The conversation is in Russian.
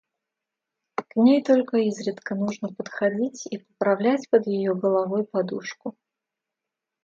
– К ней только изредка нужно подходить и поправлять под ее головой подушку.